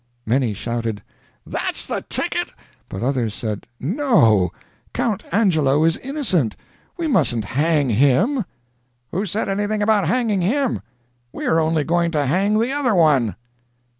Many shouted: "That's the ticket." But others said: "No Count Angelo is innocent; we mustn't hang him." "Who said anything about hanging him? We are only going to hang the other one."